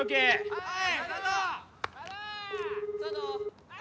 はい！